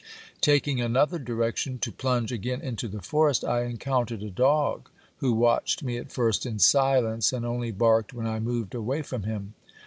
Taking another direction, to plunge again into the forest, I encountered a dog, who watched me at first in silence, and only barked when I moved away from him.